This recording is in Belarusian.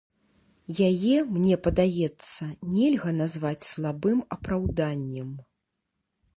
Яе, мне падаецца, нельга назваць слабым апраўданнем.